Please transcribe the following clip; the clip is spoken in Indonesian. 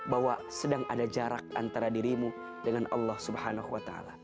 bahwa sedang ada jarak antara dirimu dengan allah swt